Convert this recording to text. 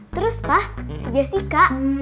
terus pak si jessica